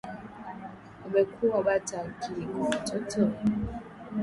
Umekuwa bata akili kwa watoto?